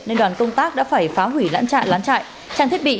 nên đoàn công tác đã phải phá hủy lán chạy lán chạy trang thiết bị